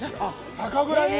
酒蔵に？